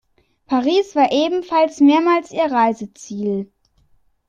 Paris war ebenfalls mehrmals ihr Reiseziel.